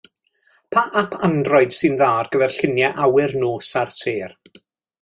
Pa ap Android sy'n dda ar gyfer lluniau awyr nos a'r sêr?